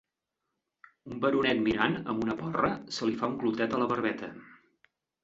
Un baronet mirant, amb una porra, se li fa un clotet a la barbeta.